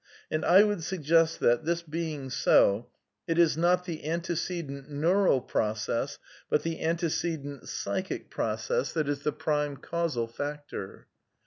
And I would suggest that, this being so, it is not the antecedent neural process but the /w \_ antecedent psychic process that is the prime causal factor.